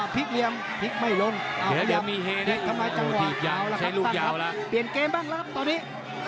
เปลี่ยนเกมบ้างล่ะครับตอนนี้